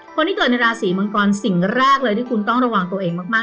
คนที่เกิดในราศีมังกรสิ่งแรกเลยที่คุณต้องระวังตัวเองมาก